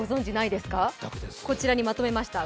こちらにまとめました。